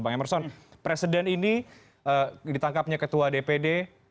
bang emerson presiden ini ditangkapnya ketua dpd